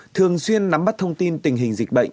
thường xuyên nắm bắt thông tin tình hình dịch bệnh